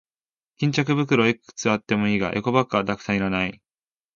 巾着袋はいくつあってもいいが、エコバッグはたくさんはいらない。